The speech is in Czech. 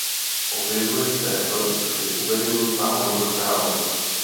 Objevuje se v při Uvedení Páně do chrámu.